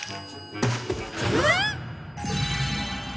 えっ！？